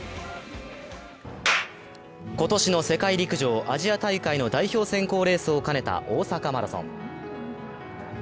今年の世界陸上アジア大会の代表選考レースを兼ねた大阪マラソン。